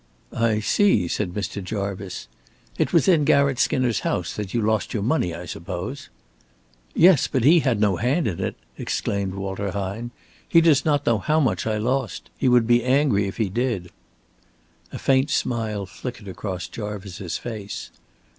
"I see," said Mr. Jarvice. "It was in Garratt Skinner's house that you lost your money, I suppose." "Yes, but he had no hand in it," exclaimed Walter Hine. "He does not know how much I lost. He would be angry if he did." A faint smile flickered across Jarvice's face.